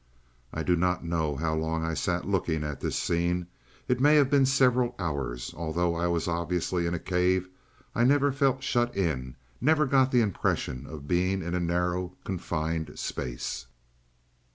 "I do not know how long I sat looking at this scene; it may have been several hours. Although I was obviously in a cave, I never felt shut in never got the impression of being in a narrow, confined space.